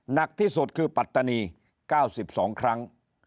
หนักที่สุดคือปัตตานี๙๒ครั้ง